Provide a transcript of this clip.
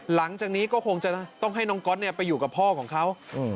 หลังจากนี้ก็คงจะต้องให้น้องก๊อตไปอยู่กับพ่อของเขา